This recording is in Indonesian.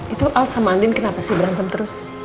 itu al sama andin kenapa sih berantem terus